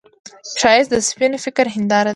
ښایست د سپين فکر هنداره ده